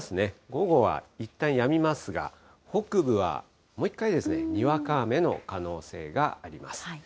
午後はいったんやみますが、北部はもう一回、にわか雨の可能性があります。